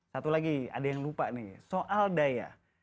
satu lagi ada yang lupa nih soal daya